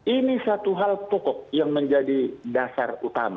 ini satu hal pokok yang menjadi dasar utama